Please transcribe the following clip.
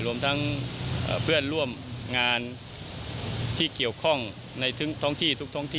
รวมทั้งเพื่อนร่วมงานที่เกี่ยวข้องในท้องที่ทุกท้องที่